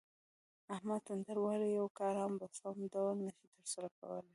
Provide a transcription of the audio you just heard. احمد تندر وهلی یو کار هم په سم ډول نشي ترسره کولی.